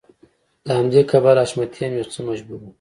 له همدې کبله حشمتی هم يو څه مجبور و.